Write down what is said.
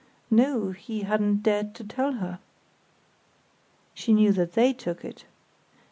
"No; he hadn't dared to tell her." "She knew that they took it?"